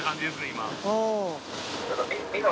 今。